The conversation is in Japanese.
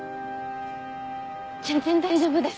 全然大丈夫です。